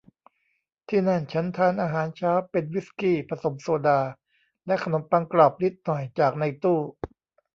ที่นั่นฉันทานอาหารเช้าเป็นวิสกี้ผสมโซดาและขนมปังกรอบนิดหน่อยจากในตู้